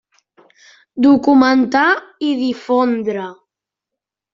Documentar i difondre.